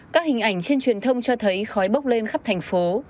các hình ảnh trên truyền thông cho thấy khói bốc lên khắp thành phố